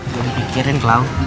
gak dipikirin klau